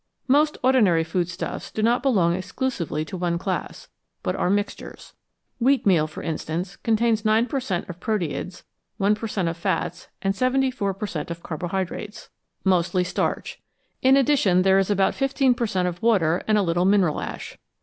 Most ordinary food stuffs do not belong exclusively to one class, but are mixtures. Wheat meal, for instance, contains 9 per cent, of proteids, 1 per cent, of fats, and 74 per cent, of carbohydrates, 227 SUGAR AND STARCH mostly starch ; in addition, there is about 15 per cent, of water and a little mineral ash.